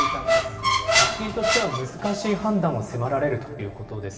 なるほど、日銀としては難しい判断を迫られるということです